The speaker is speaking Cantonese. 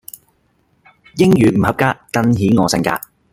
英語唔合格更顯我性格